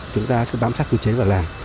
chúng ta cứ bám sát quy chế và làm